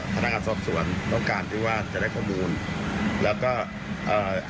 การไปให้ปากคำครั้งนี้จริงเรามองว่าอย่างไร